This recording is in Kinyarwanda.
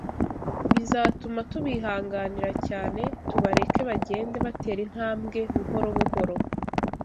bizatuma tubihanganira cyane, tubareke bagende batera intambwe buhoro buhoro